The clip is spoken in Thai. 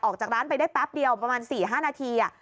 ออกจากร้านไปได้แป๊บเดียวประมาณ๔๕นาที